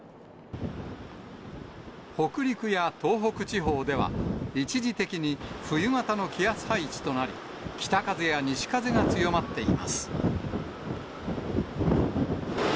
北陸や東北地方では、一時的に冬型の気圧配置となり、北風や西風が強まっています。